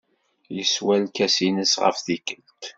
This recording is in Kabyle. Yeswa lkas-nnes ɣef tikkelt.